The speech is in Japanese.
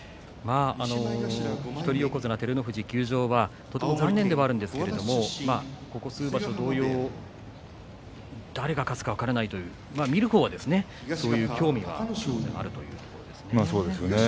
一人横綱照ノ富士休場はとても残念ではあるんですが誰が勝つか分からないというね見る方はそういう興味があるということですね。